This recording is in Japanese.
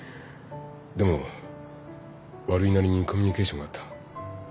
でも悪いなりにコミュニケーションがあった。